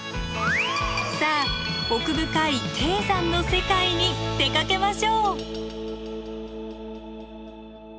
さあ奥深い低山の世界に出かけましょう。